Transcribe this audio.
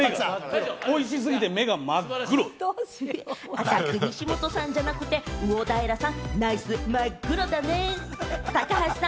アタック西本さんじゃなくて、魚平さん、ナイスまっぐろだね。